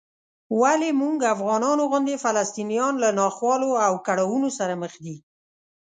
ولې موږ افغانانو غوندې فلسطینیان له ناخوالو او کړاوونو سره مخ دي؟